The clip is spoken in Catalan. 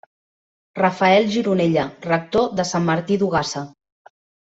Rafael Gironella, rector de Sant Martí d'Ogassa.